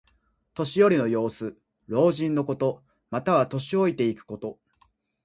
年寄りの様子。老人のこと。または、年老いていくこと。